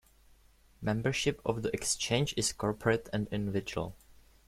Membership of the Exchange is corporate and individual.